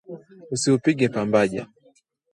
Usiupige pambaja